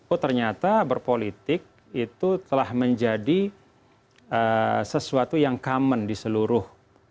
oh ternyata berpolitik itu telah menjadi sesuatu yang common di seluruh